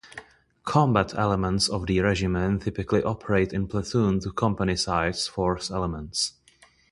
Combat elements of the Regiment typically operate in platoon to company sized force elements.